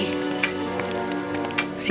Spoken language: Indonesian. siapa di sana